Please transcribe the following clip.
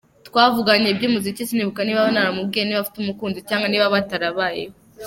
Twavuganye iby’umuziki, sinibuka niba naramubajije niba afite umukunzi cyangwa niba bitarabayeho.